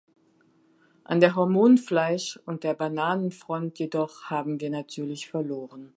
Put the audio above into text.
An der Hormonfleisch- und der Bananenfront jedoch haben wir natürlich verloren.